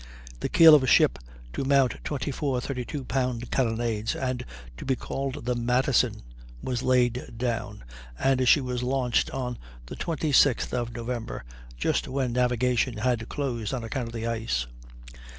The keel of a ship to mount 24 32 pound carronades, and to be called the Madison, was laid down, and she was launched on the 26th of November, just when navigation had closed on account of the ice.